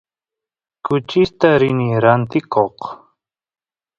kuchista rini rantikoq